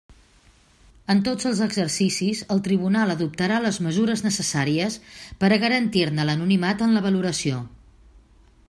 En tots els exercicis, el tribunal adoptarà les mesures necessàries per a garantir-ne l'anonimat en la valoració.